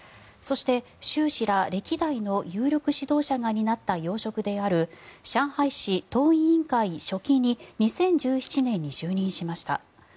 そして習氏ら歴代の有力指導者が担った要職である上海市党委員会書記に２０１７年に就任しました。